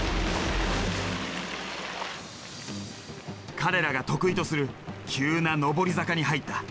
彼らが得意とする急な上り坂に入った。